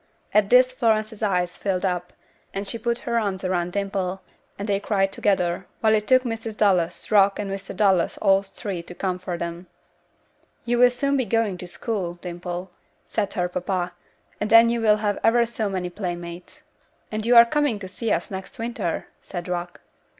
At this Florence's eyes filled up, and she put her arms around Dimple, and they cried together, while it took Mrs. Dallas, Rock, and Mr. Dallas, all three, to comfort them. "You will soon be going to school, Dimple," said her papa, "and then you will have ever so many playmates." "And you are coming to see us next winter," said Rock.